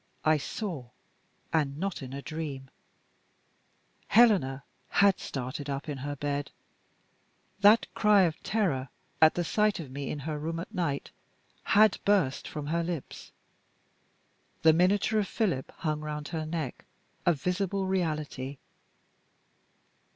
I saw and not in a dream. Helena had started up in her bed. That cry of terror, at the sight of me in her room at night, had burst from her lips. The miniature of Philip hung round her neck, a visible reality.